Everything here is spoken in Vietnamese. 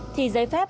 thì giấy phép